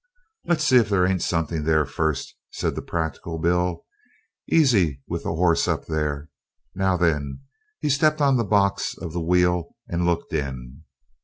"Let's see if there ain't something there first," said the practical Bill. "Easy with the 'oss up there. Now then," here he stepped on the box of the wheel and looked in.